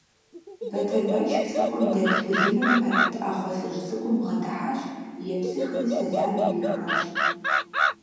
Батырбэч псыхъуэм дэт былымым пэрыт Ӏэхъуэ лӀыжь цӀыкӀум бгъэдыхьэщ, епсыхри сэлам ирихащ.